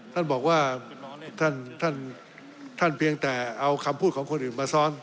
ท่านบอกว่าท่านเพียงแต่เอาคำพูดของคนอื่นมาซ้อน